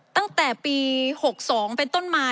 ตั้งแต่ปี๖๒เป็นต้นมา